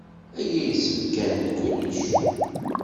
Aya yessebgan-d kullec.